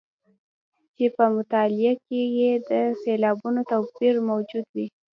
چې په مطلع کې یې د سېلابونو توپیر موجود وي.